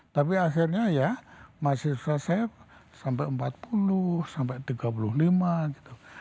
tapi akhirnya ya mahasiswa saya sampai empat puluh sampai tiga puluh lima gitu